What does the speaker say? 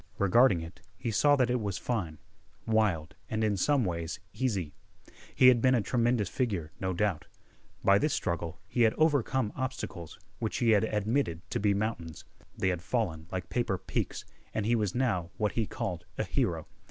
Regarding it, he saw that it was fine, wild, and, in some ways, easy. He had been a tremendous figure, no doubt. By this struggle he had overcome obstacles which he had admitted to be mountains. They had fallen like paper peaks, and he was now what he called a hero.